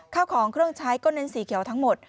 ข้าวของเครื่องใช้ก็เน้นสีเขียวทั้งหมด